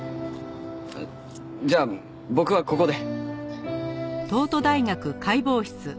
じゃあ僕はここで。